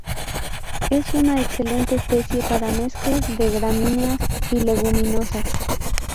Es una excelente especie para mezclas de gramíneas y leguminosas.